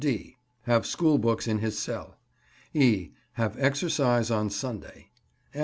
(d) Have school books in his cell. (e) Have exercise on Sunday.